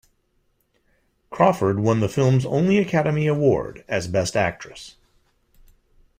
Crawford won the film's only Academy Award, as Best Actress.